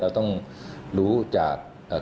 เราต้องรู้จากคำให้การพวกเขาก่อน